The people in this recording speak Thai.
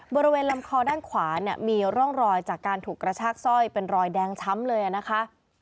บริเวณลำคอด้านขวาเนี่ยมีร่องรอยจากการถูกกระชากสร้อยเป็นรอยแดงช้ำเลยนะคะ